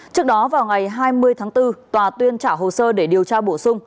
trước đó vào ngày hai mươi tháng bốn tòa tuyên trả hồ sơ để điều tra bổ sung